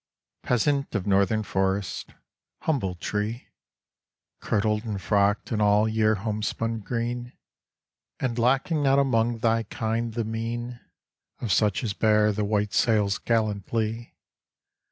Peasant of northern forests, humble tree, Kirtled and frocked in all year homespun green, And lacking not among thy kind the mien Of such as bear the white sails gallantly!